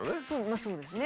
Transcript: まあそうですね。